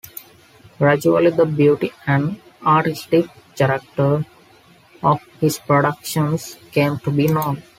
Gradually the beauty and artistic character of his productions came to be known.